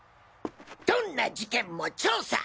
どんな事件も調査！